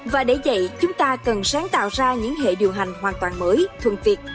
và để dạy chúng ta cần sáng tạo ra những hệ điều hành hoàn toàn mới thuận việt